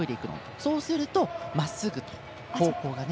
そうすると、まっすぐと方向がね。